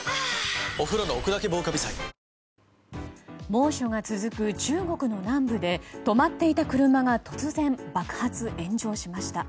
猛暑が続く中国の南部で止まっていた車が突然、爆発・炎上しました。